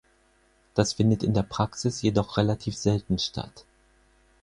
Das findet in der Praxis jedoch relativ selten statt.